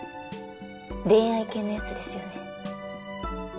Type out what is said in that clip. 恋愛系のやつですよね？